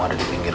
ia udah nangis